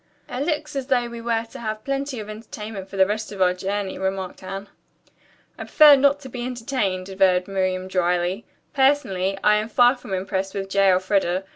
"It looks as though we were to have plenty of entertainment for the rest of our journey," remarked Anne. "I prefer not to be entertained," averred Miriam dryly. "Personally, I am far from impressed with J. Elfreda.